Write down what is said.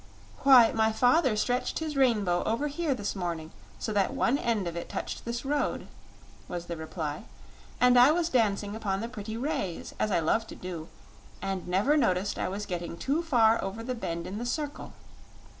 "Why, my father stretched his rainbow over here this morning, so that one end of it touched this road," was the reply; "and I was dancing upon the pretty rays, as I love to do, and never noticed I was getting too far over the bend in the circle.